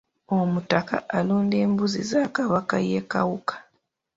Omutaka alunda embuzi za Kabaka ye Kawuka.